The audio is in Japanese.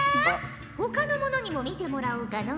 ほかの者にも見てもらおうかのう。